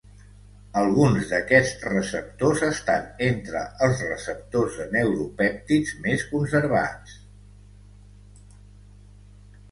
Alguns d'aquests receptors estan entre els receptors de neuropèptids més conservats.